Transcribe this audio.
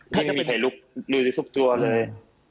ไม่มีใครลุกดูซุบตัวเลย